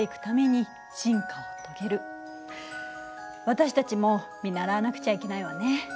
私たちも見習わなくちゃいけないわね。